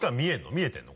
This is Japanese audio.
見えてるの？